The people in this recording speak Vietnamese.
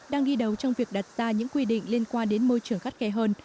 đang ghi đầu trong việc đặt ra những quy định liên quan đến môi trường khắc kè hơn